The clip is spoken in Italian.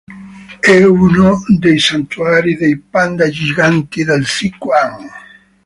È uno dei santuari dei panda giganti del Sichuan.